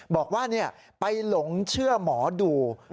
บอกว่าไปหลงเชื่อหมอดู